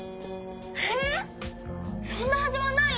へえっ⁉そんなはずはないよ！